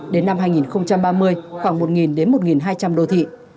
đến năm hai nghìn ba mươi khoảng một đến một hai trăm linh đô thị